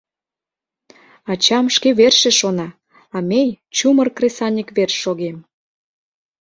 Ачам шке верчше шона, а мей чумыр кресаньык верч шогем.